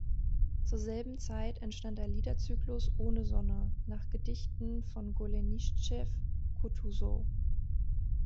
Zur selben Zeit entstand der Liederzyklus "Ohne Sonne" nach Gedichten von Golenischtschew-Kutusow.